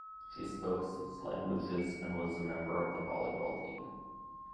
She spoke six languages and was a member of the volleyball team.